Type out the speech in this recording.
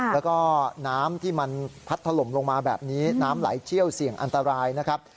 แล้วก็น้ำที่มันพัดถล่มลงมาแบบนี้น้ำไหลเชี่ยวเสี่ยงอันตรายนะครับ